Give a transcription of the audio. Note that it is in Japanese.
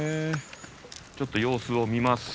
ちょっと様子を見ます。